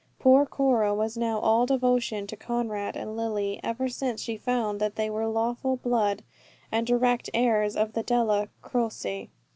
Poor Cora was now all devotion to Conrad and Lily, ever since she had found that they were lawful blood and direct heirs of the Della Croce.